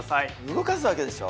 動かすわけでしょ？